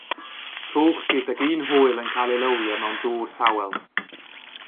Cwch gydag un hwyl yn cael ei lywio mewn dŵr tawel.